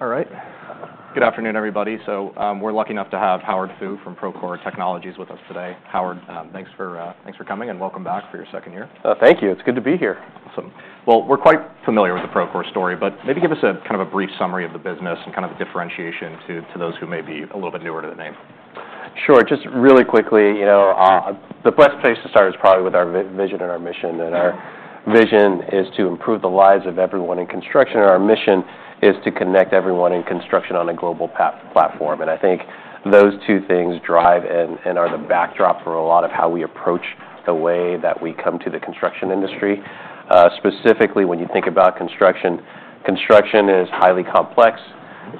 All right. Good afternoon, everybody. So, we're lucky enough to have Howard Fu from Procore Technologies with us today. Howard, thanks for coming, and welcome back for your second year. Oh, thank you. It's good to be here. Awesome. Well, we're quite familiar with the Procore story, but maybe give us a kind of a brief summary of the business and kind of the differentiation to those who may be a little bit newer to the name. Sure. Just really quickly, you know, the best place to start is probably with our vision and our mission, and our vision is to improve the lives of everyone in construction, and our mission is to connect everyone in construction on a global platform. And I think those two things drive and are the backdrop for a lot of how we approach the way that we come to the construction industry. Specifically, when you think about construction, construction is highly complex.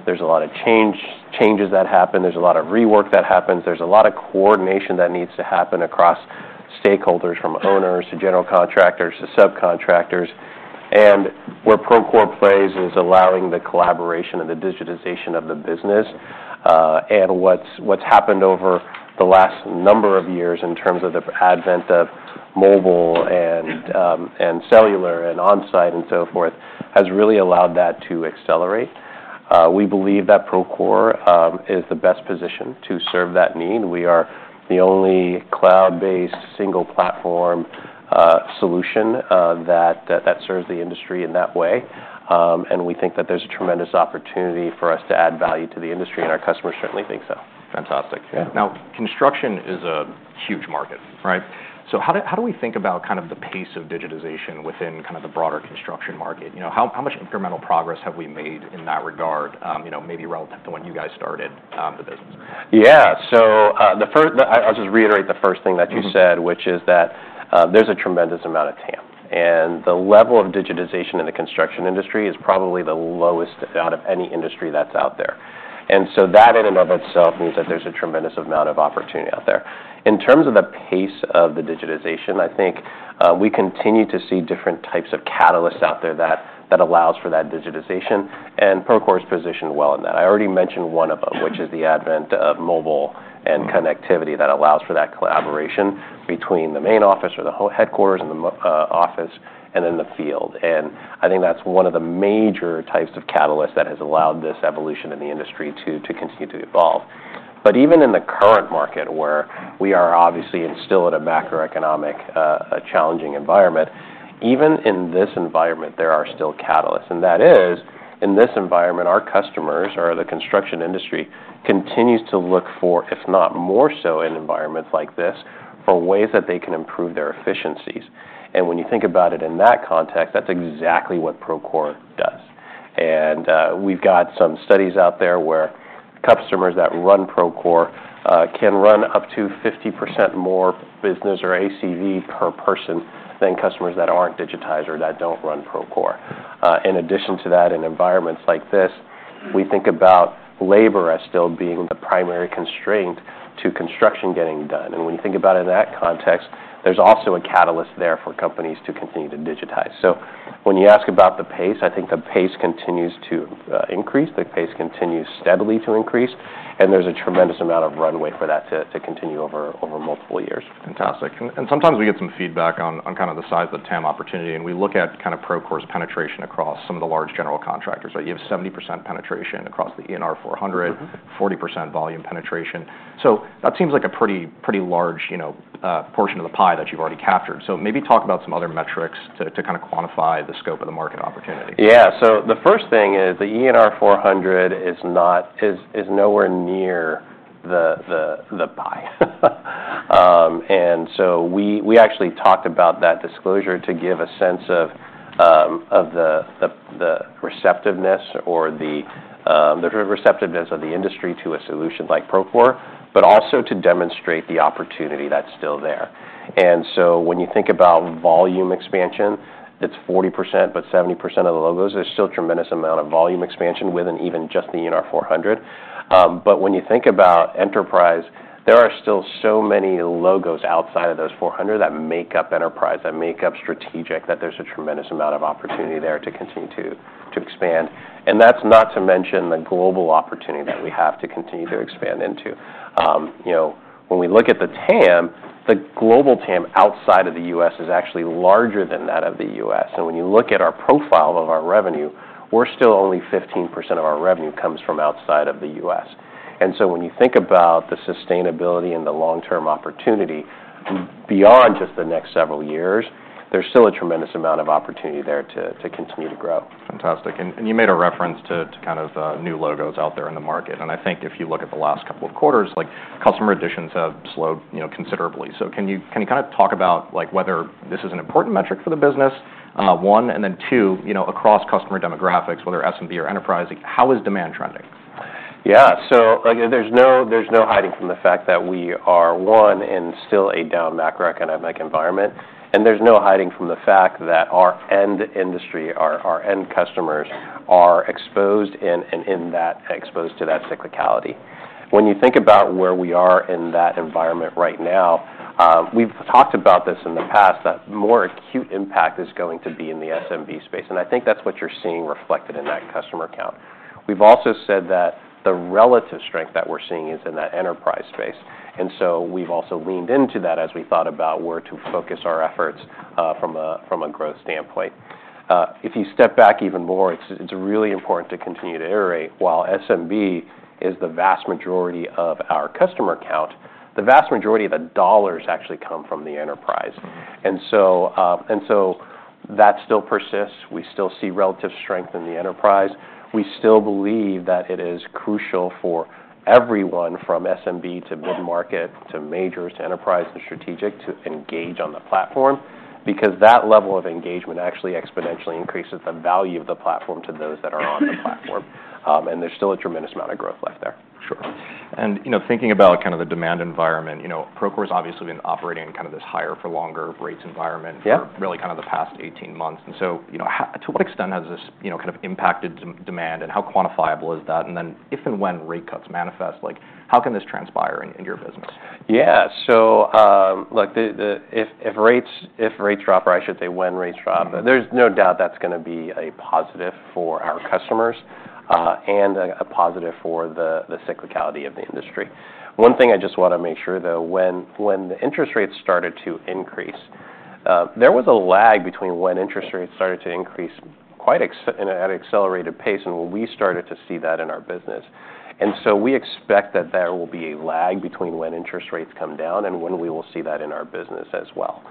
There's a lot of changes that happen, there's a lot of rework that happens, there's a lot of coordination that needs to happen across stakeholders, from owners to general contractors to subcontractors. And where Procore plays is allowing the collaboration and the digitization of the business. What's happened over the last number of years in terms of the advent of mobile and cellular and on-site and so forth has really allowed that to accelerate. We believe that Procore is the best position to serve that need. We are the only cloud-based, single-platform solution that serves the industry in that way. We think that there's tremendous opportunity for us to add value to the industry, and our customers certainly think so. Fantastic. Yeah. Now, construction is a huge market, right? So how do we think about kind of the pace of digitization within kind of the broader construction market? You know, how much incremental progress have we made in that regard, you know, maybe relative to when you guys started the business? Yeah, so, I'll just reiterate the first thing that you said. Mm-hmm... which is that, there's a tremendous amount of TAM, and the level of digitization in the construction industry is probably the lowest out of any industry that's out there. And so that, in and of itself, means that there's a tremendous amount of opportunity out there. In terms of the pace of the digitization, I think, we continue to see different types of catalysts out there that allows for that digitization, and Procore is positioned well in that. I already mentioned one of them- Yeah... which is the advent of mobile and connectivity that allows for that collaboration between the main office or the whole headquarters and the office, and then the field. And I think that's one of the major types of catalysts that has allowed this evolution in the industry to continue to evolve. But even in the current market, where we are obviously and still in a macroeconomic, a challenging environment, even in this environment, there are still catalysts. And that is, in this environment, our customers or the construction industry continues to look for, if not more so in environments like this, for ways that they can improve their efficiencies. And when you think about it in that context, that's exactly what Procore does. We've got some studies out there where customers that run Procore can run up to 50% more business or ACV per person than customers that aren't digitized or that don't run Procore. In addition to that, in environments like this, we think about labor as still being the primary constraint to construction getting done. When you think about it in that context, there's also a catalyst there for companies to continue to digitize. When you ask about the pace, I think the pace continues steadily to increase, and there's a tremendous amount of runway for that to continue over multiple years. Fantastic. And sometimes we get some feedback on kind of the size of the TAM opportunity, and we look at kind of Procore's penetration across some of the large general contractors. So you have 70% penetration across the ENR 400- Mm-hmm... 40% volume penetration. So that seems like a pretty, pretty large, you know, portion of the pie that you've already captured. So maybe talk about some other metrics to kind of quantify the scope of the market opportunity. Yeah. So the first thing is, the ENR 400 is nowhere near the pie. And so we actually talked about that disclosure to give a sense of the receptiveness of the industry to a solution like Procore, but also to demonstrate the opportunity that's still there. When you think about volume expansion, it's 40%, but 70% of the logos, there's still a tremendous amount of volume expansion within even just the ENR 400. But when you think about enterprise, there are still so many logos outside of those 400 that make up enterprise, that make up strategic, that there's a tremendous amount of opportunity there to continue to expand. That's not to mention the global opportunity that we have to continue to expand into. You know, when we look at the TAM, the global TAM outside of the U.S. is actually larger than that of the U.S. So when you look at our profile of our revenue, we're still only 15% of our revenue comes from outside of the U.S. And so when you think about the sustainability and the long-term opportunity, beyond just the next several years, there's still a tremendous amount of opportunity there to continue to grow. Fantastic. And you made a reference to kind of new logos out there in the market. And I think if you look at the last couple of quarters, like, customer additions have slowed, you know, considerably. So can you kind of talk about, like, whether this is an important metric for the business, one, and then, two, you know, across customer demographics, whether SMB or enterprise, how is demand trending? Yeah. So again, there's no hiding from the fact that we are, one, in still a down macroeconomic environment, and there's no hiding from the fact that our end industry, our end customers, are exposed to that cyclicality. When you think about where we are in that environment right now, we've talked about this in the past, that more acute impact is going to be in the SMB space, and I think that's what you're seeing reflected in that customer count. We've also said that the relative strength that we're seeing is in that enterprise space, and so we've also leaned into that as we thought about where to focus our efforts, from a growth standpoint. If you step back even more, it's really important to continue to iterate. While SMB is the vast majority of our customer count, the vast majority of the dollars actually come from the enterprise. Mm-hmm. That still persists. We still see relative strength in the enterprise. We still believe that it is crucial for everyone, from SMB to mid-market, to majors, to enterprise, to strategic, to engage on the platform, because that level of engagement actually exponentially increases the value of the platform to those that are on the platform. There's still a tremendous amount of growth left there. Sure, and you know, thinking about kind of the demand environment, you know, Procore's obviously been operating in kind of this higher-for-longer rates environment. Yeah for really kind of the past 18 months. And so, you know, to what extent has this, you know, kind of impacted demand, and how quantifiable is that? And then if and when rate cuts manifest, like, how can this transpire in your business? Yeah. So, look, if rates drop, or I should say, when rates drop. Mm-hmm There's no doubt that's gonna be a positive for our customers, and a positive for the cyclicality of the industry. One thing I just want to make sure, though, when the interest rates started to increase, there was a lag between when interest rates started to increase at an accelerated pace, and when we started to see that in our business, and so we expect that there will be a lag between when interest rates come down and when we will see that in our business as well,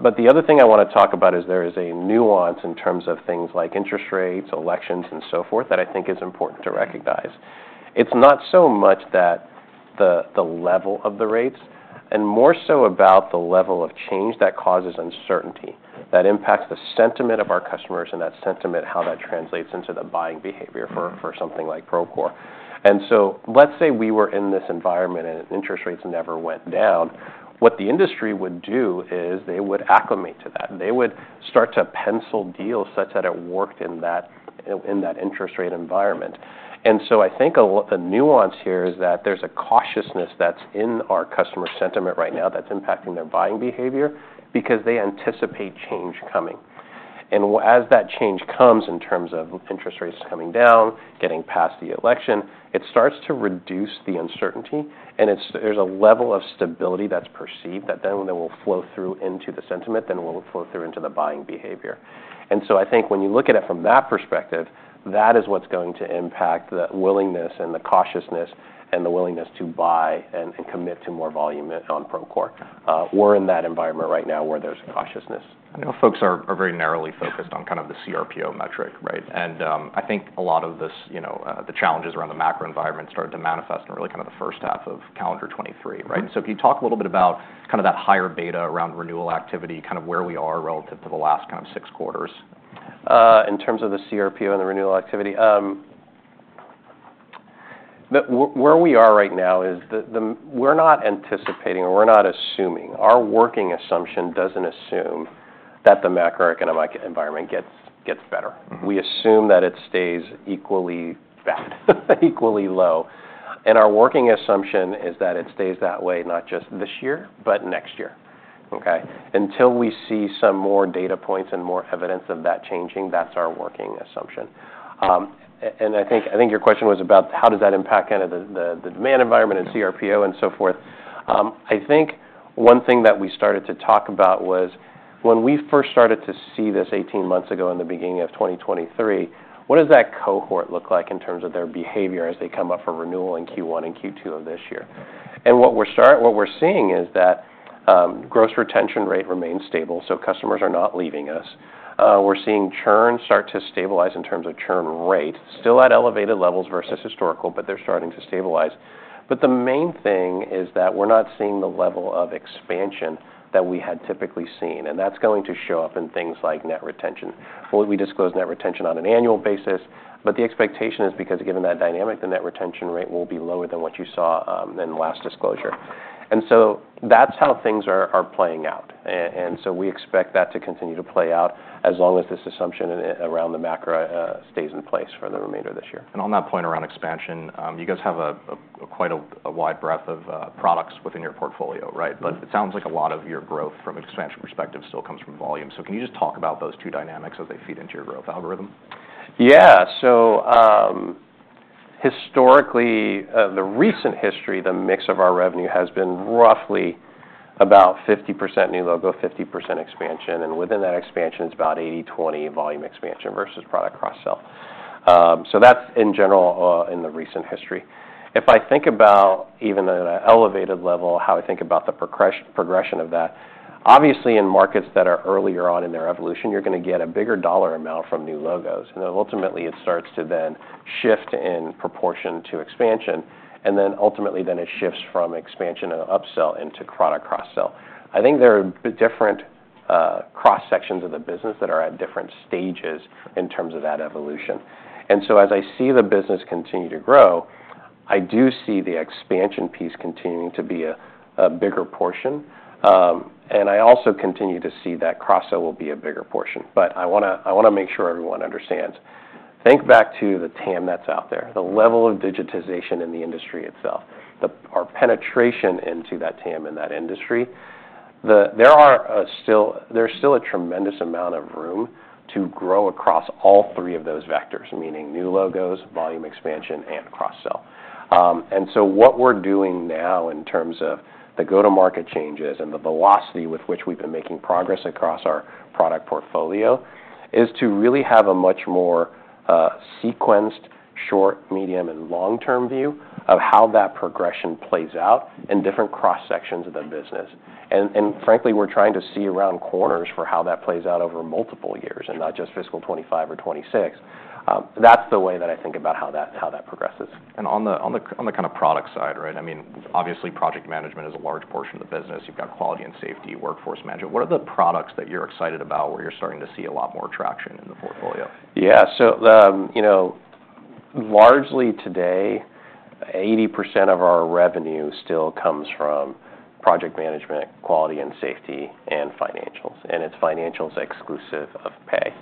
but the other thing I want to talk about is there is a nuance in terms of things like interest rates, elections, and so forth, that I think is important to recognize. It's not so much that the level of the rates, and more so about the level of change that causes uncertainty, that impacts the sentiment of our customers, and that sentiment, how that translates into the buying behavior for- Mm-hmm... something like Procore. And so, let's say we were in this environment and interest rates never went down. What the industry would do is they would acclimate to that. They would start to pencil deals such that it worked in that, in that interest rate environment. And so I think the nuance here is that there's a cautiousness that's in our customer sentiment right now that's impacting their buying behavior, because they anticipate change coming. And as that change comes, in terms of interest rates coming down, getting past the election, it starts to reduce the uncertainty, and there's a level of stability that's perceived that then will flow through into the sentiment, then will flow through into the buying behavior. And so I think when you look at it from that perspective, that is what's going to impact the willingness and the cautiousness, and the willingness to buy and commit to more volume on Procore. We're in that environment right now, where there's cautiousness. I know folks are very narrowly focused on kind of the CRPO metric, right, and I think a lot of this, you know, the challenges around the macro environment started to manifest in really kind of H1 of calendar 2023, right? Mm-hmm. So can you talk a little bit about kind of that higher beta around renewal activity, kind of where we are relative to the last kind of six quarters? In terms of the CRPO and the renewal activity, where we are right now is. We're not anticipating, and we're not assuming. Our working assumption doesn't assume that the macroeconomic environment gets better. Mm-hmm. We assume that it stays equally bad, equally low, and our working assumption is that it stays that way, not just this year, but next year. Okay? Until we see some more data points and more evidence of that changing, that's our working assumption, and I think your question was about how does that impact kind of the demand environment, and CRPO, and so forth. I think one thing that we started to talk about was, when we first started to see this 18 months ago in the beginning of 2023, what does that cohort look like in terms of their behavior as they come up for renewal in Q1 and Q2 of this year? And what we're seeing is that gross retention rate remains stable, so customers are not leaving us. We're seeing churn start to stabilize in terms of churn rate. Still at elevated levels versus historical, but they're starting to stabilize. But the main thing is that we're not seeing the level of expansion that we had typically seen, and that's going to show up in things like net retention, well, we disclose net retention on an annual basis, but the expectation is because given that dynamic, the net retention rate will be lower than what you saw in the last disclosure, and so that's how things are playing out. Mm-hmm. We expect that to continue to play out, as long as this assumption around the macro stays in place for the remainder of this year. On that point around expansion, you guys have quite a wide breadth of products within your portfolio, right? Mm-hmm. But it sounds like a lot of your growth from an expansion perspective still comes from volume. So can you just talk about those two dynamics as they feed into your growth algorithm? Yeah. So, historically, the recent history, the mix of our revenue has been roughly about 50% new logo, 50% expansion, and within that expansion, it's about 80/20 volume expansion versus product cross-sell. So that's in general, in the recent history. If I think about even at an elevated level, how I think about the progression of that, obviously, in markets that are earlier on in their evolution, you're gonna get a bigger dollar amount from new logos, and then ultimately it starts to then shift in proportion to expansion, and then ultimately, then it shifts from expansion and upsell into product cross-sell. I think there are different, cross-sections of the business that are at different stages in terms of that evolution. And so as I see the business continue to grow, I do see the expansion piece continuing to be a bigger portion. And I also continue to see that cross-sell will be a bigger portion. But I wanna make sure everyone understands. Think back to the TAM that's out there, the level of digitization in the industry itself, our penetration into that TAM in that industry. There's still a tremendous amount of room to grow across all three of those vectors, meaning new logos, volume expansion, and cross-sell. And so what we're doing now in terms of the go-to-market changes and the velocity with which we've been making progress across our product portfolio is to really have a much more sequenced short medium and long-term view of how that progression plays out in different cross-sections of the business. And frankly we're trying to see around corners for how that plays out over multiple years and not just fiscal 2025 or 2026. That's the way that I think about how that progresses. On the kind of product side, right, I mean, obviously, project management is a large portion of the business. You've got quality and safety, workforce management. What are the products that you're excited about, where you're starting to see a lot more traction in the portfolio? Yeah. So, you know, largely today, 80% of our revenue still comes from project management, quality and safety, and financials, and it's financials exclusive of pay.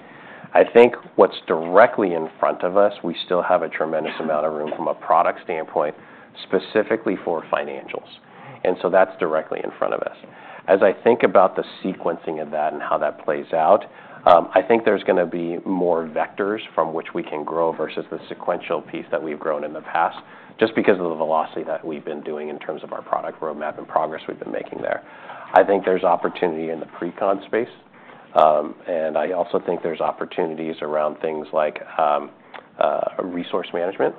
I think what's directly in front of us, we still have a tremendous amount of room from a product standpoint, specifically for financials, and so that's directly in front of us. As I think about the sequencing of that and how that plays out, I think there's gonna be more vectors from which we can grow versus the sequential piece that we've grown in the past, just because of the velocity that we've been doing in terms of our product roadmap and progress we've been making there. I think there's opportunity in the pre-con space, and I also think there's opportunities around things like, resource management,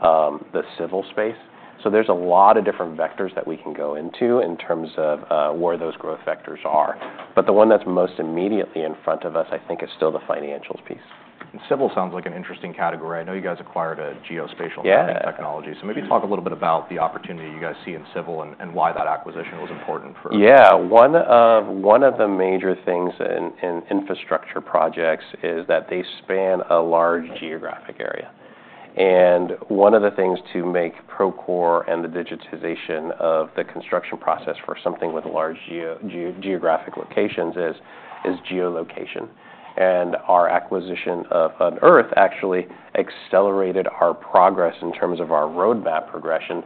the civil space. So there's a lot of different vectors that we can go into in terms of where those growth vectors are. But the one that's most immediately in front of us, I think, is still the financials piece. Civil sounds like an interesting category. I know you guys acquired a geospatial- Yeah - technology. So maybe talk a little bit about the opportunity you guys see in civil and why that acquisition was important for. Yeah. One of the major things in infrastructure projects is that they span a large geographic area. And one of the things to make Procore and the digitization of the construction process for something with large geographic locations is geolocation. And our acquisition of Unearth actually accelerated our progress in terms of our roadmap progression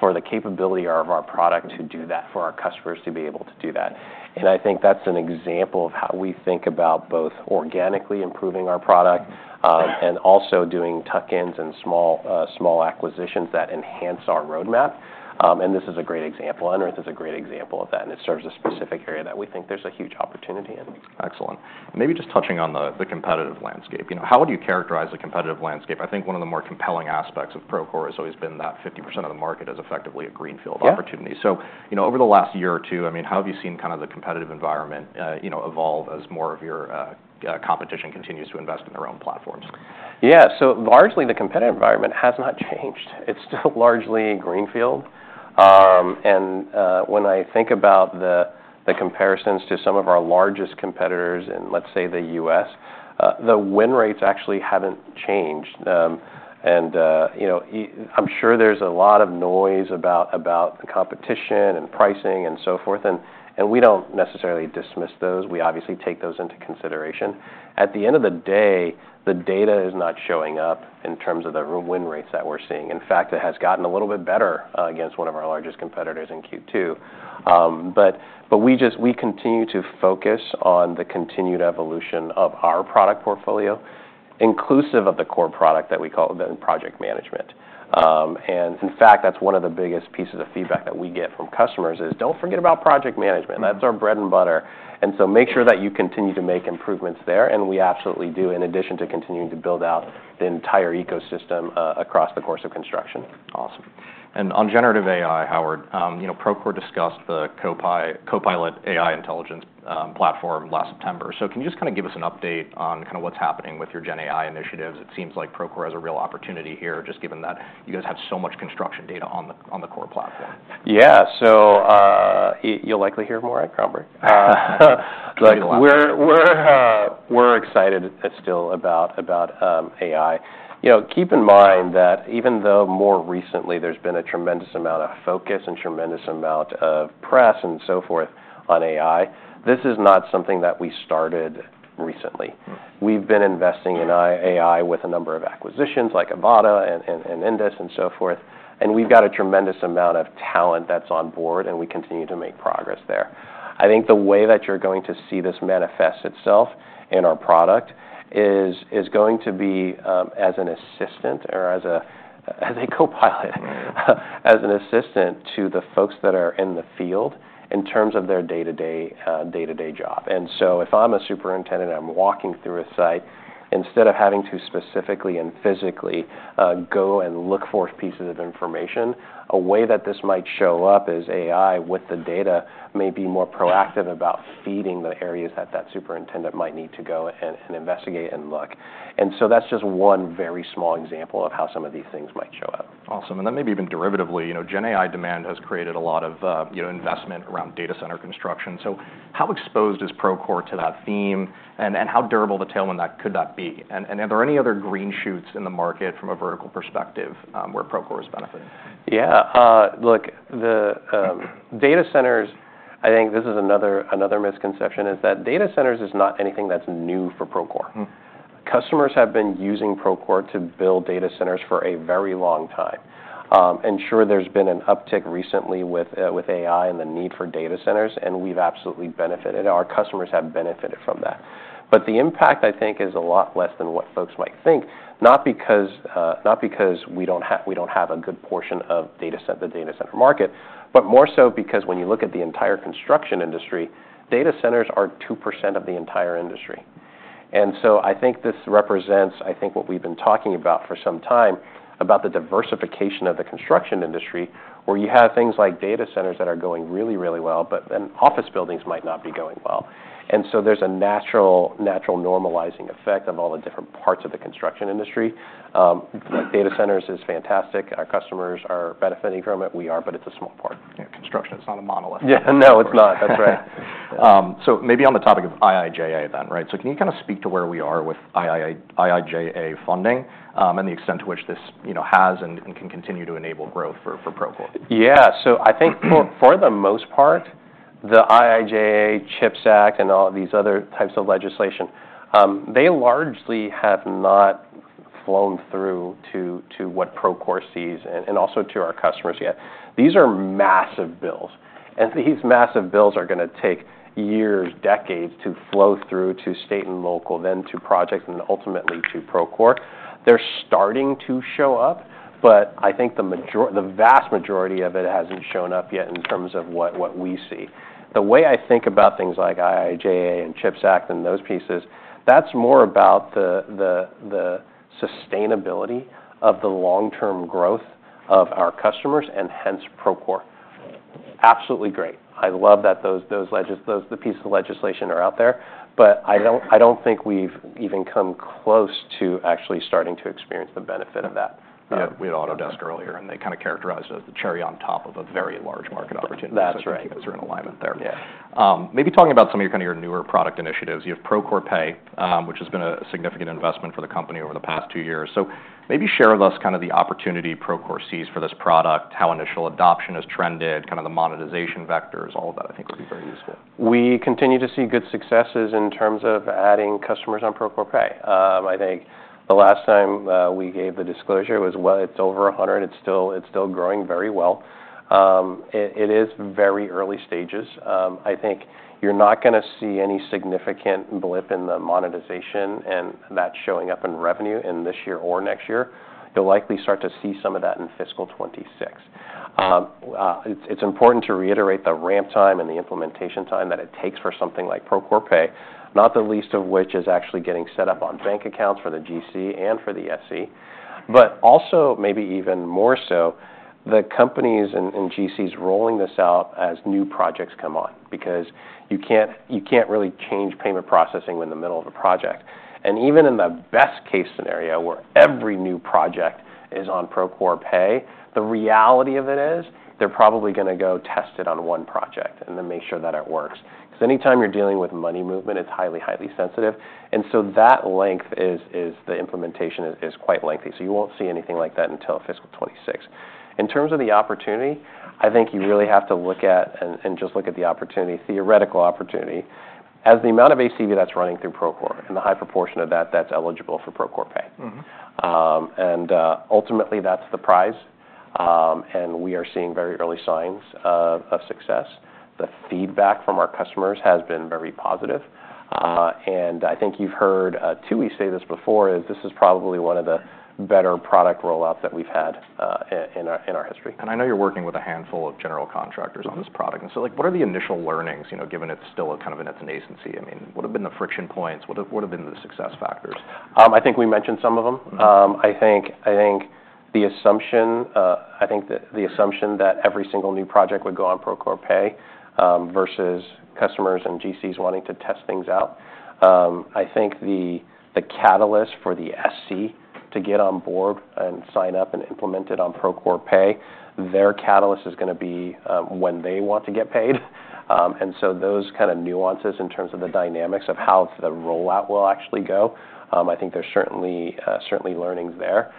for the capability of our product to do that, for our customers to be able to do that. And I think that's an example of how we think about both organically improving our product, and also doing tuck-ins and small acquisitions that enhance our roadmap. And this is a great example. Unearth is a great example of that, and it serves a specific area that we think there's a huge opportunity in. Excellent. Maybe just touching on the competitive landscape. You know, how would you characterize the competitive landscape? I think one of the more compelling aspects of Procore has always been that 50% of the market is effectively a greenfield opportunity. Yeah. So, you know, over the last year or two, I mean, how have you seen kind of the competitive environment, you know, evolve as more of your competition continues to invest in their own platforms? Yeah, so largely, the competitive environment has not changed. It's still largely Greenfield. And when I think about the comparisons to some of our largest competitors in, let's say, the U.S., the win rates actually haven't changed. And you know, I'm sure there's a lot of noise about the competition and pricing and so forth, and we don't necessarily dismiss those. We obviously take those into consideration. At the end of the day, the data is not showing up in terms of the win rates that we're seeing. In fact, it has gotten a little bit better against one of our largest competitors in Q2. But we continue to focus on the continued evolution of our product portfolio, inclusive of the core product that we call the project management. And in fact, that's one of the biggest pieces of feedback that we get from customers is: "Don't forget about project management. That's our bread and butter, and so make sure that you continue to make improvements there." And we absolutely do, in addition to continuing to build out the entire ecosystem across the course of construction. Awesome. On generative AI, Howard, you know, Procore discussed the Copilot AI intelligence platform last September. Can you just kind of give us an update on kind of what's happening with your Gen AI initiatives? It seems like Procore has a real opportunity here, just given that you guys have so much construction data on the Procore platform. Yeah. So, you'll likely hear more at Groundbreak. Look, we're excited still about AI. You know, keep in mind that even though more recently, there's been a tremendous amount of focus and tremendous amount of press and so forth on AI, this is not something that we started recently. We've been investing in AI with a number of acquisitions, like Avata and Indus.ai and so forth, and we've got a tremendous amount of talent that's on board, and we continue to make progress there. I think the way that you're going to see this manifest itself in our product is going to be as an assistant or as a copilot- Mm... as an assistant to the folks that are in the field in terms of their day-to-day job. And so if I'm a superintendent, I'm walking through a site, instead of having to specifically and physically go and look for pieces of information. A way that this might show up is AI with the data may be more proactive about feeding the areas that that superintendent might need to go and investigate and look. And so that's just one very small example of how some of these things might show up. Awesome. And then, maybe even derivatively, you know, Gen AI demand has created a lot of, you know, investment around data center construction. So how exposed is Procore to that theme, and how durable of a tailwind could that be? And are there any other green shoots in the market from a vertical perspective, where Procore is benefiting? Yeah, look, the data centers, I think this is another misconception, is that data centers is not anything that's new for Procore. Mm.... Customers have been using Procore to build data centers for a very long time, and sure, there's been an uptick recently with AI and the need for data centers, and we've absolutely benefited, our customers have benefited from that, but the impact, I think, is a lot less than what folks might think, not because we don't have a good portion of data center, the data center market, but more so because when you look at the entire construction industry, data centers are 2% of the entire industry, and so I think this represents, I think, what we've been talking about for some time, about the diversification of the construction industry, where you have things like data centers that are going really, really well, but then office buildings might not be going well. And so there's a natural normalizing effect of all the different parts of the construction industry. Data centers is fantastic. Our customers are benefiting from it. We are, but it's a small part. Yeah, construction is not a monolith. Yeah. No, it's not. That's right. So maybe on the topic of IIJA then, right? So can you kind of speak to where we are with IIJA funding, and the extent to which this, you know, has and can continue to enable growth for Procore? Yeah. I think for the most part, the IIJA, CHIPS Act, and all these other types of legislation, they largely have not flown through to what Procore sees, and also to our customers yet. These are massive bills, and these massive bills are gonna take years, decades to flow through to state and local, then to projects, and ultimately to Procore. They're starting to show up, but I think the vast majority of it hasn't shown up yet in terms of what we see. The way I think about things like IIJA, and CHIPS Act, and those pieces, that's more about the sustainability of the long-term growth of our customers, and hence, Procore. Absolutely great. I love that those pieces of legislation are out there, but I don't think we've even come close to actually starting to experience the benefit of that. Yeah. We had Autodesk earlier, and they kind of characterized it as the cherry on top of a very large market opportunity. That's right. So I think those are in alignment there. Yeah. Maybe talking about some of your kind of newer product initiatives. You have Procore Pay, which has been a significant investment for the company over the past two years. So maybe share with us kind of the opportunity Procore sees for this product, how initial adoption has trended, kind of the monetization vectors, all of that, I think, would be very useful. We continue to see good successes in terms of adding customers on Procore Pay. I think the last time we gave the disclosure, it was well, it's over 100. It's still growing very well. It is very early stages. I think you're not gonna see any significant blip in the monetization, and that showing up in revenue in this year or next year. You'll likely start to see some of that in fiscal 2026. It's important to reiterate the ramp time and the implementation time that it takes for something like Procore Pay, not the least of which is actually getting set up on bank accounts for the GC and for the SC. But also, maybe even more so, the companies and, and GCs rolling this out as new projects come on, because you can't, you can't really change payment processing in the middle of a project. And even in the best-case scenario, where every new project is on Procore Pay, the reality of it is, they're probably gonna go test it on one project and then make sure that it works. 'Cause anytime you're dealing with money movement, it's highly, highly sensitive, and so that length is the implementation is quite lengthy, so you won't see anything like that until fiscal 2026. In terms of the opportunity, I think you really have to look at, and, and just look at the opportunity, theoretical opportunity, as the amount of ACV that's running through Procore, and the high proportion of that that's eligible for Procore Pay. Mm-hmm. And ultimately, that's the prize. And we are seeing very early signs of success. The feedback from our customers has been very positive. And I think you've heard Tooey say this before. This is probably one of the better product rollouts that we've had in our history. I know you're working with a handful of general contractors- Mm-hmm... on this product. And so, like, what are the initial learnings, you know, given it's still kind of in its nascency? I mean, what have been the friction points? What have been the success factors? I think we mentioned some of them. Mm-hmm. I think the assumption that every single new project would go on Procore Pay versus customers and GCs wanting to test things out. I think the catalyst for the SC to get on board and sign up and implement it on Procore Pay, their catalyst is gonna be when they want to get paid. And so those kind of nuances in terms of the dynamics of how the rollout will actually go. I think there's certainly learnings there.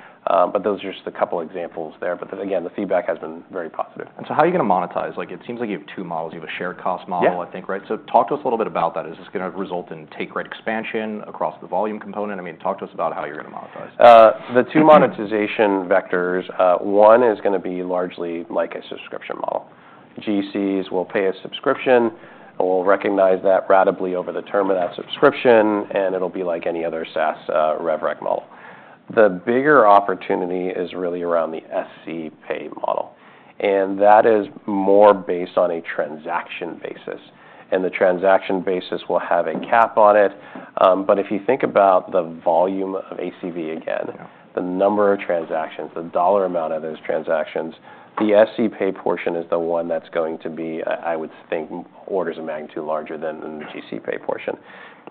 But those are just a couple examples there, but then again, the feedback has been very positive. And so how are you gonna monetize? Like, it seems like you have two models. You have a shared cost model- Yeah... I think, right? So talk to us a little bit about that. Is this gonna result in take rate expansion across the volume component? I mean, talk to us about how you're gonna monetize. The two monetization vectors, one is gonna be largely like a subscription model. GCs will pay a subscription, and we'll recognize that ratably over the term of that subscription, and it'll be like any other SaaS, rev rec model. The bigger opportunity is really around the SC pay model, and that is more based on a transaction basis, and the transaction basis will have a cap on it. But if you think about the volume of ACV again- Yeah... the number of transactions, the dollar amount of those transactions, the SC pay portion is the one that's going to be, I would think, orders of magnitude larger than the GC pay portion.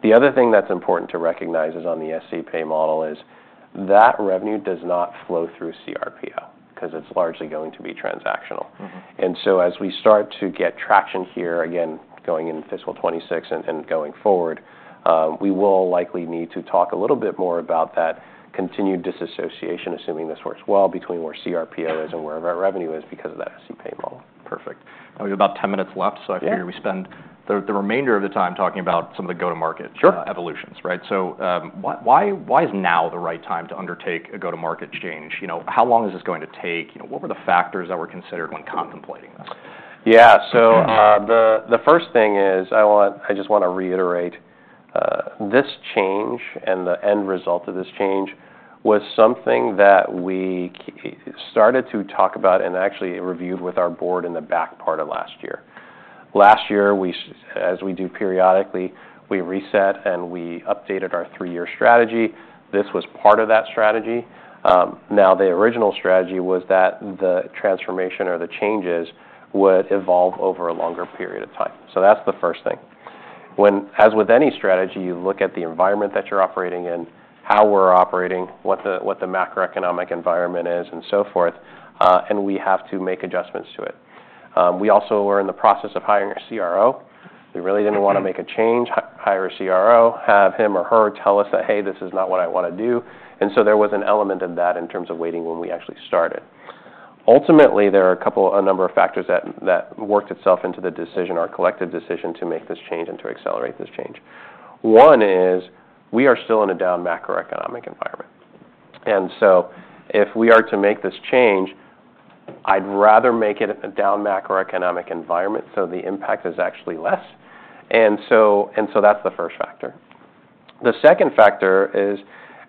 The other thing that's important to recognize is on the SC pay model, is that revenue does not flow through CRPO, 'cause it's largely going to be transactional. Mm-hmm. And so as we start to get traction here, again, going into fiscal 2026 and going forward, we will likely need to talk a little bit more about that continued disassociation, assuming this works well, between where CRPO is and where our revenue is because of that SC pay model. Perfect. Now we have about ten minutes left, so- Yeah I figure we spend the remainder of the time talking about some of the go-to-market- Sure evolutions, right? So, why is now the right time to undertake a go-to-market change? You know, how long is this going to take? You know, what were the factors that were considered when contemplating this? Yeah. So, the first thing is, I just want to reiterate, this change and the end result of this change was something that we started to talk about and actually reviewed with our board in the back part of last year. Last year, as we do periodically, we reset and we updated our three-year strategy. This was part of that strategy. Now, the original strategy was that the transformation or the changes would evolve over a longer period of time. So that's the first thing. As with any strategy, you look at the environment that you're operating in, how we're operating, what the macroeconomic environment is, and so forth, and we have to make adjustments to it. We also were in the process of hiring a CRO. Okay. We really didn't want to make a change, hire a CRO, have him or her tell us that, "Hey, this is not what I want to do." And so there was an element of that in terms of waiting when we actually started. Ultimately, there are a number of factors that worked itself into the decision, our collective decision to make this change and to accelerate this change. One is, we are still in a down macroeconomic environment, and so if we are to make this change, I'd rather make it at a down macroeconomic environment, so the impact is actually less. And so that's the first factor. The second factor is,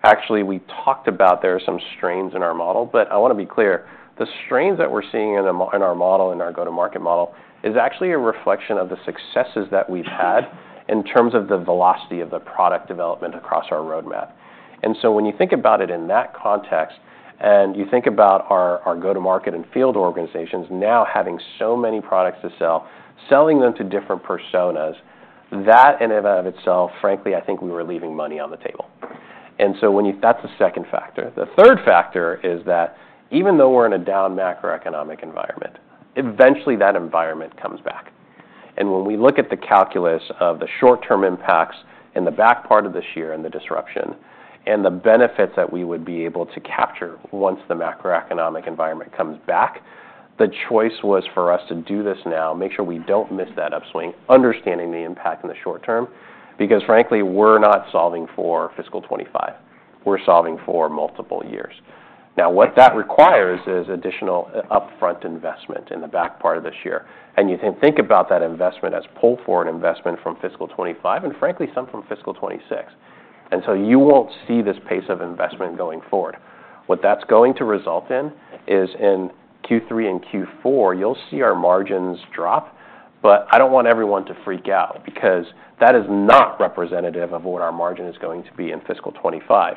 actually, we talked about there are some strains in our model, but I want to be clear. The strains that we're seeing in our model, in our go-to-market model, is actually a reflection of the successes that we've had in terms of the velocity of the product development across our roadmap. And so when you think about it in that context, and you think about our go-to-market and field organizations now having so many products to sell, selling them to different personas, that in and of itself, frankly, I think we were leaving money on the table. And so when you... That's the second factor. The third factor is that even though we're in a down macroeconomic environment, eventually that environment comes back. And when we look at the calculus of the short-term impacts in the back part of this year and the disruption, and the benefits that we would be able to capture once the macroeconomic environment comes back, the choice was for us to do this now, make sure we don't miss that upswing, understanding the impact in the short term, because frankly, we're not solving for fiscal 2025, we're solving for multiple years. Now, what that requires is additional upfront investment in the back part of this year. And you can think about that investment as pull forward investment from fiscal 2025 and frankly, some from fiscal 2026. And so you won't see this pace of investment going forward. What that's going to result in is in Q3 and Q4, you'll see our margins drop, but I don't want everyone to freak out because that is not representative of what our margin is going to be in fiscal 2025.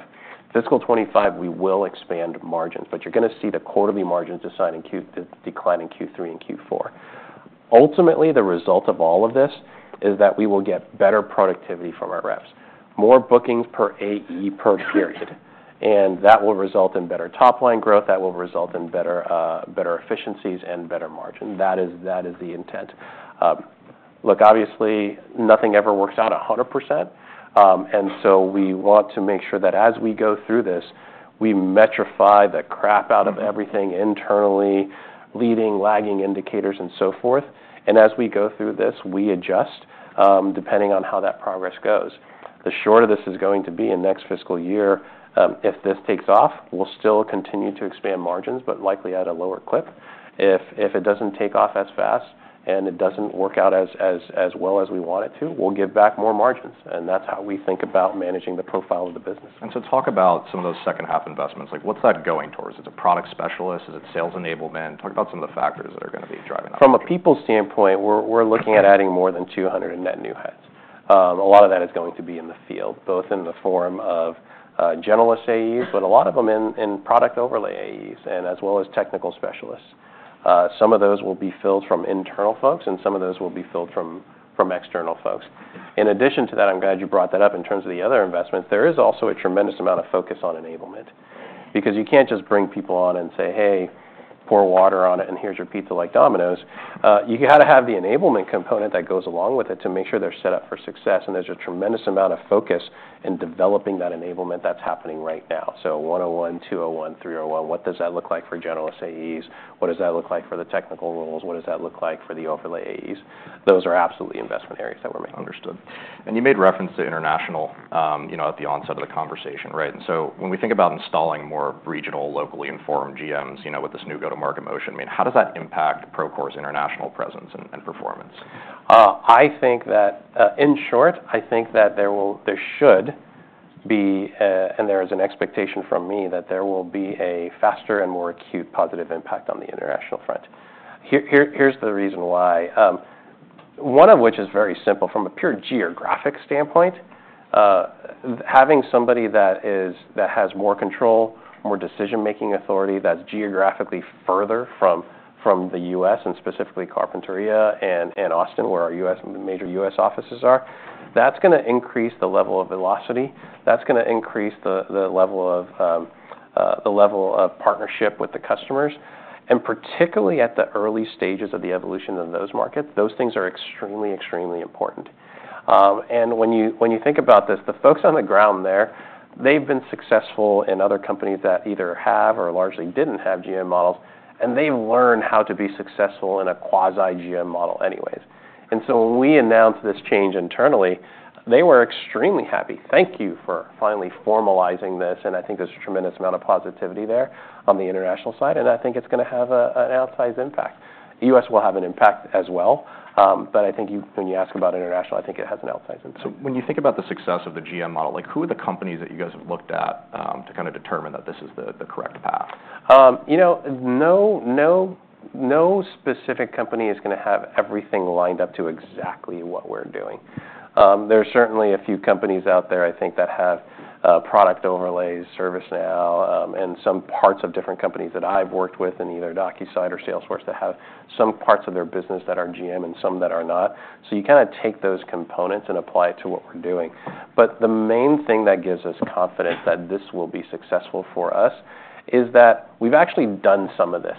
Fiscal 2025, we will expand margins, but you're gonna see the quarterly margins decline in Q3 and Q4. Ultimately, the result of all of this is that we will get better productivity from our reps. More bookings per AE per period, and that will result in better top-line growth, that will result in better efficiencies and better margin. That is the intent. Look, obviously, nothing ever works out 100%, and so we want to make sure that as we go through this, we metrify the crap out of everything internally, leading, lagging indicators, and so forth. As we go through this, we adjust, depending on how that progress goes. The shorter this is going to be in next fiscal year, if this takes off, we'll still continue to expand margins, but likely at a lower clip. If it doesn't take off as fast and it doesn't work out as well as we want it to, we'll give back more margins, and that's how we think about managing the profile of the business. And so talk about some of those H2 investments. Like, what's that going towards? Is it product specialists? Is it sales enablement? Talk about some of the factors that are gonna be driving that. From a people standpoint, we're looking at adding more than two hundred in net new heads. A lot of that is going to be in the field, both in the form of generalists AEs, but a lot of them in product overlay AEs, and as well as technical specialists. Some of those will be filled from internal folks, and some of those will be filled from external folks. In addition to that, I'm glad you brought that up. In terms of the other investments, there is also a tremendous amount of focus on enablement. Because you can't just bring people on and say, "Hey, pour water on it, and here's your pizza," like Domino's. You gotta have the enablement component that goes along with it to make sure they're set up for success, and there's a tremendous amount of focus in developing that enablement that's happening right now. So 101, 201, 301, what does that look like for generalist AEs? What does that look like for the technical roles? What does that look like for the overlay AEs? Those are absolutely investment areas that we're making. Understood. And you made reference to international, you know, at the onset of the conversation, right? And so when we think about installing more regional, locally informed GMs, you know, with this new go-to-market motion, I mean, how does that impact Procore's international presence and performance? I think that, in short, I think that there should be, and there is an expectation from me, that there will be a faster and more acute positive impact on the international front. Here's the reason why. One of which is very simple. From a pure geographic standpoint, having somebody that has more control, more decision-making authority, that's geographically further from the U.S., and specifically Carpinteria and Austin, where our major U.S. offices are, that's gonna increase the level of velocity, that's gonna increase the level of partnership with the customers. Particularly at the early stages of the evolution of those markets, those things are extremely important. And when you think about this, the folks on the ground there, they've been successful in other companies that either have or largely didn't have GM models, and they learn how to be successful in a quasi-GM model anyways. And so when we announced this change internally, they were extremely happy. "Thank you for finally formalizing this," and I think there's a tremendous amount of positivity there on the international side, and I think it's gonna have an outsized impact. The U.S. will have an impact as well, but I think you, when you ask about international, I think it has an outsized impact. So when you think about the success of the GM model, like, who are the companies that you guys have looked at, to kind of determine that this is the correct path? You know, no, no, no specific company is gonna have everything lined up to exactly what we're doing. There are certainly a few companies out there, I think, that have product overlays, ServiceNow, and some parts of different companies that I've worked with in either DocuSign or Salesforce, that have some parts of their business that are Gen AI and some that are not. So you kind of take those components and apply it to what we're doing. But the main thing that gives us confidence that this will be successful for us is that we've actually done some of this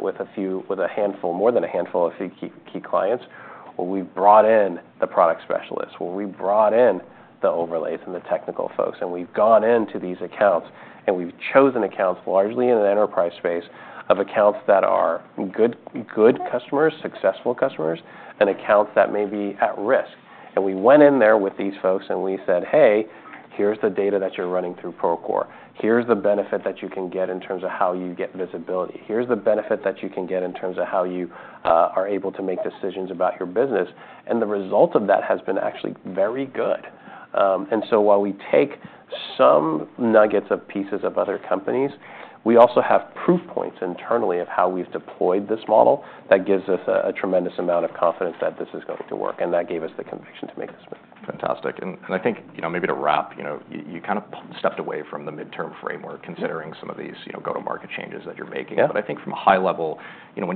with a few... With a handful, more than a handful of a few key clients, where we've brought in the product specialists, where we brought in the overlays and the technical folks, and we've gone into these accounts, and we've chosen accounts, largely in the enterprise space, of accounts that are good customers, successful customers, and accounts that may be at risk, and we went in there with these folks, and we said, "Hey, here's the data that you're running through Procore. Here's the benefit that you can get in terms of how you get visibility. Here's the benefit that you can get in terms of how you are able to make decisions about your business," and the result of that has been actually very good. And so while we take some nuggets of pieces of other companies, we also have proof points internally of how we've deployed this model that gives us a tremendous amount of confidence that this is going to work, and that gave us the conviction to make this move. Fantastic, and I think, you know, maybe to wrap, you know, you kind of stepped away from the midterm framework- Yeah - considering some of these, you know, go-to-market changes that you're making. Yeah. But I think from a high level, you know,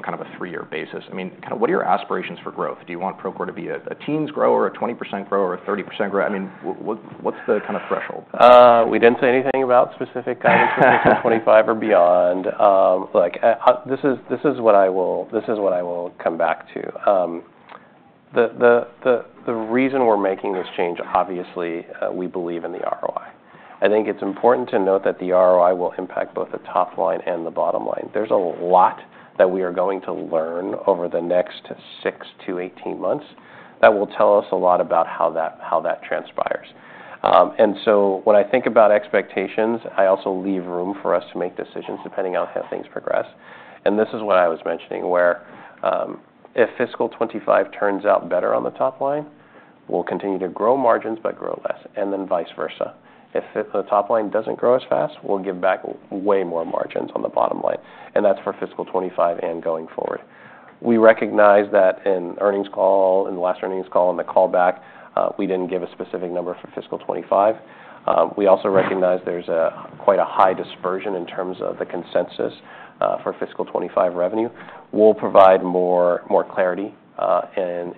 kind of a three-year basis, I mean, kind of what are your aspirations for growth? Do you want Procore to be a, a teens grower, a 20% grower, a 30% grower? I mean, what's the kind of threshold? We didn't say anything about specific guidance for 2025 or beyond. Look, this is what I will come back to. The reason we're making this change. Obviously, we believe in the ROI. I think it's important to note that the ROI will impact both the top line and the bottom line. There's a lot that we are going to learn over the next six to 18 months that will tell us a lot about how that transpires, and so when I think about expectations, I also leave room for us to make decisions, depending on how things progress, and this is what I was mentioning, where if fiscal 2025 turns out better on the top line, we'll continue to grow margins, but grow less, and then vice versa. If the top line doesn't grow as fast, we'll give back way more margins on the bottom line, and that's for fiscal 2025 and going forward. We recognize that in earnings call, in the last earnings call and the call back, we didn't give a specific number for fiscal 2025. We also recognize there's quite a high dispersion in terms of the consensus for fiscal 2025 revenue. We'll provide more clarity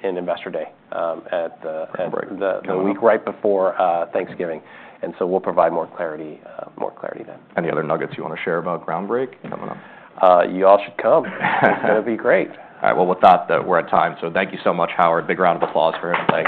in Investor Day at the- Groundbreak... the week right before Thanksgiving, and so we'll provide more clarity then. Any other nuggets you wanna share about Groundbreak coming up? You all should come. It's gonna be great. All right. Well, with that, we're at time, so thank you so much, Howard. Big round of applause for him, please.